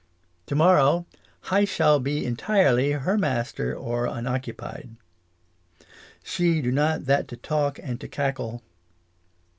To morrow hi shall be entirely (her master) or unoccupied. She do not that to talk and to cackle.